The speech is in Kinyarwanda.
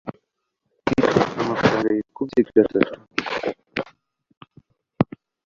mfite amafaranga yikubye gatatu